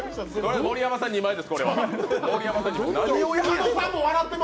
盛山さん、２枚です。